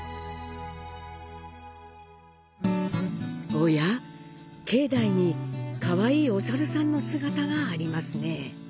おや、境内にかわいいお猿さんの姿がありますね。